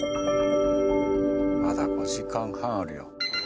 まだ５時間半あるよ。